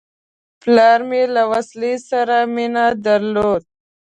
پلار مې له وسلې سره مینه درلوده.